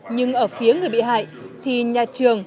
nhưng ở phía người bị hại thì nhà trường